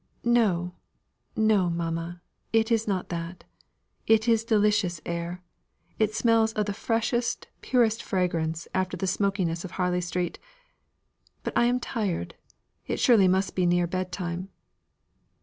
"No no, mamma, it is not that: it is delicious air. It smells of the freshest, purest fragrance, after the smokiness of Harley Street. But I am tired: it surely must be near bedtime."